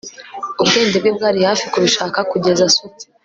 ubwenge bwe bwari hafi kubishaka kugeza asutse